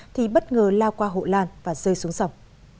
thì bất ngờ lao qua hộ lan và rơi xuống sông